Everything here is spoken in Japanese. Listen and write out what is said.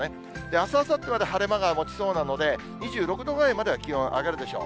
あす、あさってまで晴れ間がもちそうなので、２６度ぐらいまでは気温、上がるでしょう。